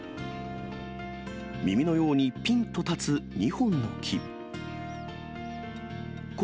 耳のようにぴんと立つ２本の木。